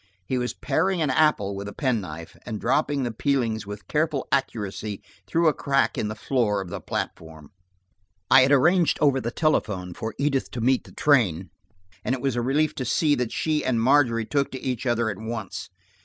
He was paring an apple with a penknife, and dropping the peelings with careful accuracy through a crack in the floor of the platform. I had arranged over the telephone that Edith should meet the train, and it was a relief to see that she and Margery took to each other at once.